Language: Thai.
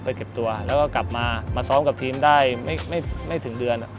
เก็บตัวแล้วก็กลับมามาซ้อมกับทีมได้ไม่ถึงเดือน